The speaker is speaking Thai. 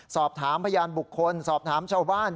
สอบถามพยานบุคคลสอบถามชาวบ้าน